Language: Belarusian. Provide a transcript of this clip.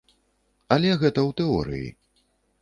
Але гэта ў тэорыі.